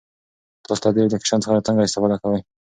تاسو له دې اپلیکیشن څخه څنګه استفاده کوئ؟